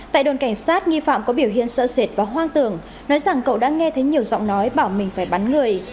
tại đồn cảnh sát nghi phạm có biểu hiện sợ sệt và hoang tưởng nói rằng cậu đã nghe thấy nhiều giọng nói bảo mình phải bắn người